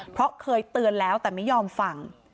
เพราะเคยเตือนแล้วแต่ไม่ยอมฟัง